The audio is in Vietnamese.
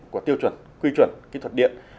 của tiêu chuẩn quy chuẩn kỹ thuật điện